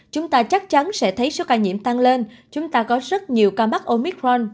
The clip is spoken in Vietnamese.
chúng ta chắc chắn sẽ thấy số ca nhiễm tăng lên chúng ta có rất nhiều ca mắc omicron